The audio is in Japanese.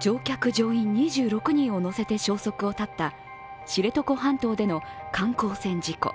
乗客・乗員２６人を乗せて消息を絶った知床半島での観光船事故。